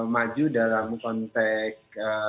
maju dalam konteks